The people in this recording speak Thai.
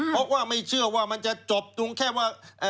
เพราะว่าไม่เชื่อว่ามันจะจบตรงแค่ว่า